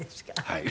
はい。